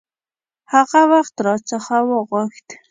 هغه وخت را څخه وغوښت.